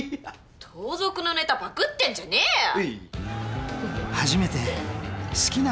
盗賊のネタパクってんじゃねえよ